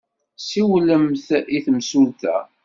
Siwlemt i temsulta.